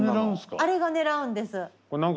あれが狙うんです。